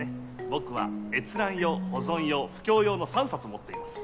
僕は閲覧用・保存用・布教用の３冊持っています